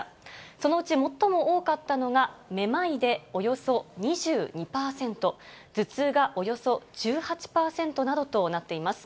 そのうち最も多かったのがめまいで、およそ２２％、頭痛がおよそ１８％などとなっています。